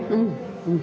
うん。